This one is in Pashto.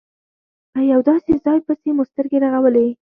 په یو داسې ځای پسې مو سترګې رغولې.